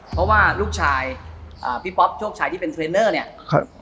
เพราะว่าลูกชายพี่ป๊อบลูกชายที่เป็นเทรนเนอร์